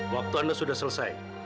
waktu anda sudah selesai